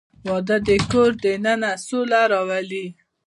• واده د کور دننه سوله راولي.